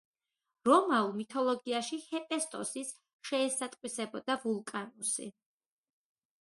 რომაულ მითოლოგიაში ჰეფესტოსის შეესატყვისებოდა ვულკანუსი.